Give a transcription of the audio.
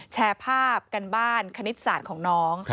แชร์ภาพกันบ้านคณิตศาสตร์ของน้อง